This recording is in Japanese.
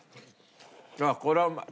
ああこれはうまい。